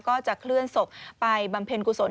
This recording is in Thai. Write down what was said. ก็จะเคลื่อนศพไปบำเพ็ญกุศล